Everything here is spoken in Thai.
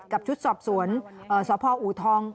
กับชุดสอบสวนสภออุทอง